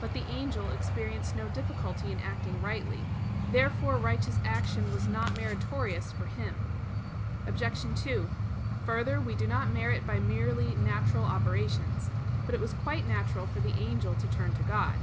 But the angel experienced no difficulty in acting rightly. Therefore righteous action was not meritorious for him. Obj. 2: Further, we do not merit by merely natural operations. But it was quite natural for the angel to turn to God.